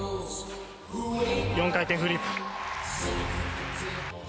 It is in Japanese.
４回転フリップ。